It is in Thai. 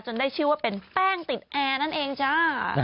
ได้ชื่อว่าเป็นแป้งติดแอร์นั่นเองจ้า